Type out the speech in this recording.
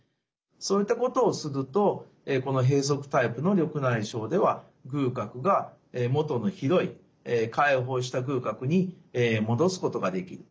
そういったことをするとこの閉塞タイプの緑内障では隅角が元の広い開放した隅角に戻すことができる。